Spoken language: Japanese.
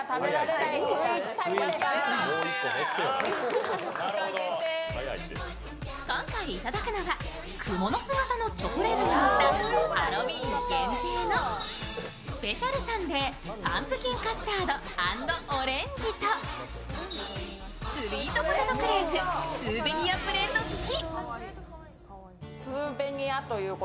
続いて田辺さんがおすすめするのは今回いただくのは、くもの巣形のチョコレートにのったハロウィーン限定のスペシャルサンデーパンプキンカスタード＆オレンジとスウィートポテトクレープスーベニアプレート付き。